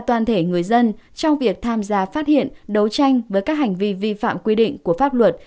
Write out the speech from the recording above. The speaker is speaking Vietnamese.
toàn thể người dân trong việc tham gia phát hiện đấu tranh với các hành vi vi phạm quy định của pháp luật